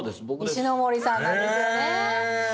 石森さんなんですよね。へ！